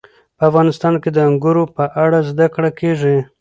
په افغانستان کې د انګورو په اړه زده کړه کېږي.